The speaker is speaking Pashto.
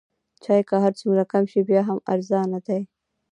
چای که هر څومره کم شي بیا هم ارزانه دی.